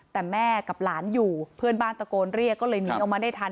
แต่แม่กับหลานอยู่เพื่อนบ้านตะโกนเรียกก็เลยหนีออกมาได้ทัน